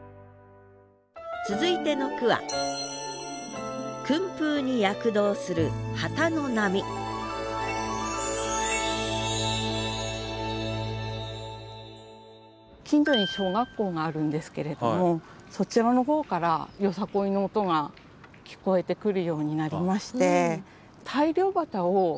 続いての句は近所に小学校があるんですけれどもそちらのほうから「よさこい」の音が聞こえてくるようになりまして。